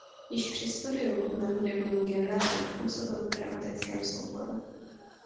Již při studiu na hudebním gymnáziu působil v dramatickém souboru.